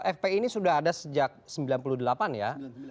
fpi ini sudah ada sejak sembilan puluh delapan ya